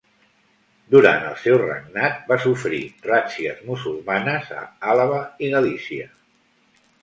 Durant el seu regnat va sofrir ràtzies musulmanes a Àlaba i Galícia.